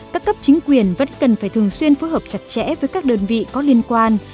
các cấp chính quyền vẫn cần phải thường xuyên phối hợp chặt chẽ với các đơn vị có liên quan